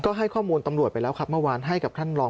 ก็ให้ข้อมูลตำรวจไปแล้วครับเมื่อวาน